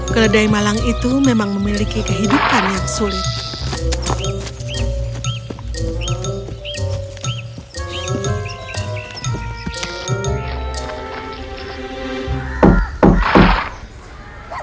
keledai malang itu memang memiliki kehidupan yang sulit